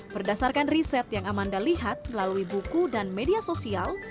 berdasarkan riset yang amanda lihat melalui buku dan media sosial